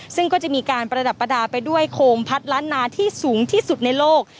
ซึ่งก็จะมีการประดับประดาษไปด้วยโคมพัดล้านนาที่สูงที่สุดในโลก